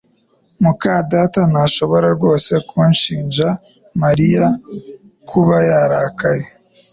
muka data ntashobora rwose gushinja Mariya kuba yarakaye